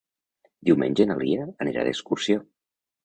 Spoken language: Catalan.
Diumenge na Lia anirà d'excursió.